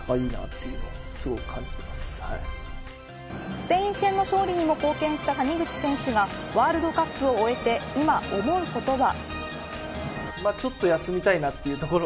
スペイン戦の勝利にも貢献した谷口選手がワールドカップを終えて今思うことは。